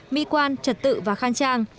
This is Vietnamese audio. mỹ quan trật tự và khăn trang